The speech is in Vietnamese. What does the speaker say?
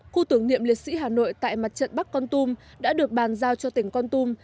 khu tưởng niệm liệt sĩ hà nội tại mặt trận bắc con tum đã được bàn giao cho tỉnh con tum